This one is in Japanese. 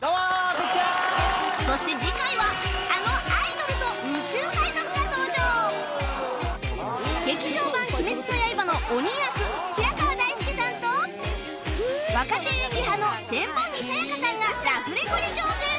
そして次回はあの劇場版『鬼滅の刃』の鬼役平川大輔さんと若手演技派の千本木彩花さんがラフレコに挑戦！